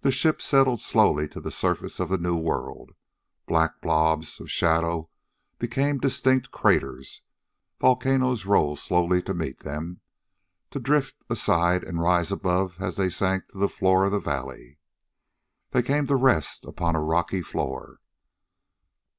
The ship settled slowly to the surface of the new world. Black blobs of shadow become distinct craters; volcanoes rose slowly to meet them, to drift aside and rise above as they sank to the floor of a valley. They came to rest upon a rocky floor.